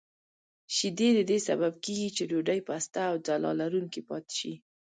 شیدې د دې سبب کېږي چې ډوډۍ پسته او ځلا لرونکې پاتې شي.